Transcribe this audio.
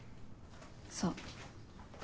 そう。